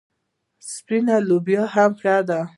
سپینه لوبیا هم ښه ده.